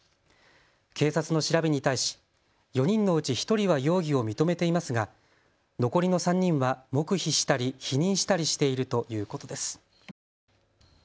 警察の調べに対し４人のうち１人は容疑を認めていますが残りの３人は黙秘したり否認したりしているということです。